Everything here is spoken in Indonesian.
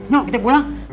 yuk kita pulang